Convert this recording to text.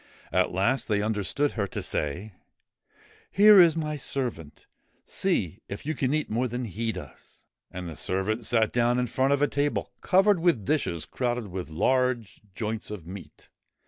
At last they understood her to say :' Here is my servant. See if you can eat more than he does.' And the servant sat down in front of a table covered with dishes crowded with large joints of meat.